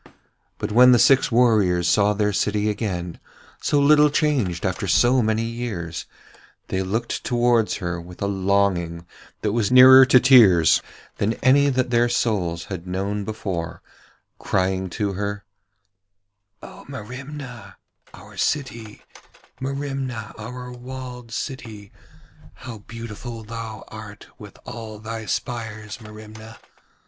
But when the six warriors saw their city again, so little changed after so many years, they looked towards her with a longing that was nearer to tears than any that their souls had known before, crying to her: 'O Merimna, our city: Merimna, our walled city. 'How beautiful thou art with all thy spires, Merimna.